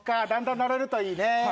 だんだん慣れるといいね。